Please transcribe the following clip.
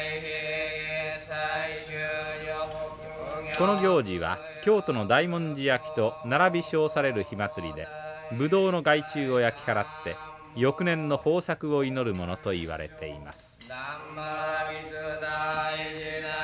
この行事は京都の大文字焼きと並び称される火祭りでブドウの害虫を焼き払って翌年の豊作を祈るものといわれています。